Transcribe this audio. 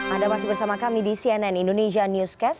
anda masih bersama kami di cnn indonesia newscast